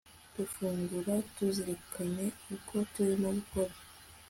dufungura tuzirikane ko turimo gukora